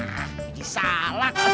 ah ini salah kak sipil